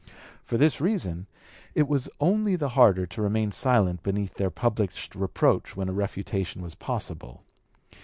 For this reason it was only the harder to remain silent beneath their published reproach when a refutation was possible.